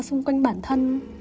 xung quanh bản thân